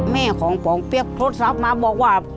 แม่ของปองเปี๊ยกโทรศัพท์มาบอกว่า